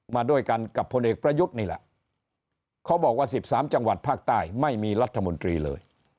มาด้วยกันกับพลเอกประยุทธ์นี่แหละเขาบอกว่า๑๓จังหวัดภาคใต้ไม่มีรัฐมนตรีเลย